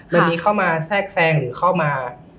มันไม่เข้ามาแซ่กแทรกหรือเข้ามา